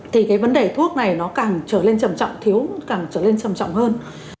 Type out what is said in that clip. thì cái vấn đề thuốc này nó càng trở lên trầm trọng thiếu càng trở lên trầm trọng hơn